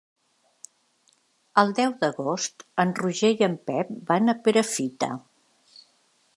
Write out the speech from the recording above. El deu d'agost en Roger i en Pep van a Perafita.